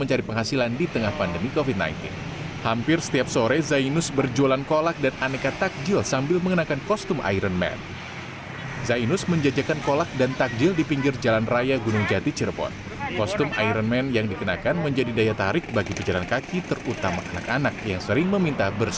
agar bisa kembali ke tempat ini